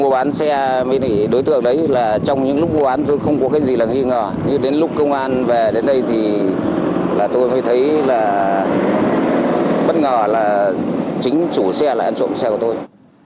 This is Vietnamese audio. bất ngờ là chính chủ xe là anh trộm xe của tôi